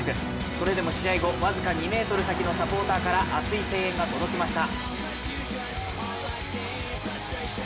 それでも試合後、僅か２ｍ先のサポーターから熱い声援が届きました。